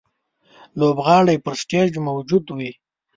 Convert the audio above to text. لوبغاړی پر سټېج موجود وي.